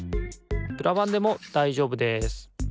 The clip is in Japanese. プラバンでもだいじょうぶです。